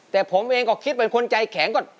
แต่ผมเองก็คิดเป็นคนใจแข็งก็